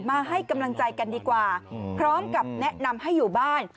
มาให้กำลังใจกันดีกว่าพร้อมกับแนะนำให้อยู่บ้าน